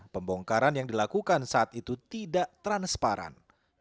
pembongkaran yang dilakukan saat itu tidak transparan